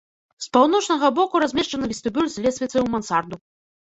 З паўночнага боку размешчаны вестыбюль з лесвіцай у мансарду.